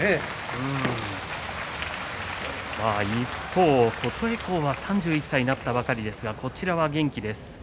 一方、琴恵光は３１歳になったばかりですがこちらは元気です。